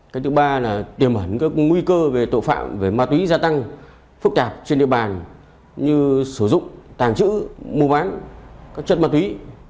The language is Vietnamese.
cái thứ ba là tiềm hẳn các nguy cơ về tội phạm về ma túy gia tăng phức tạp trên địa bàn như sử dụng tàng trữ mua bán các chất ma túy